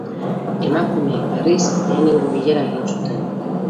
Emakumeek, berriz, lehenengo bilera egin zuten.